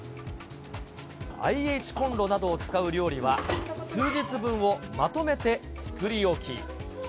ＩＨコンロなどを使う料理は、数日分をまとめて作り置き。